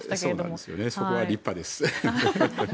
そこは立派です。